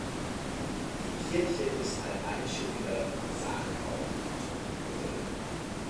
Die Kirche ist ein einschiffiger Saalbau mit Tonnengewölbe.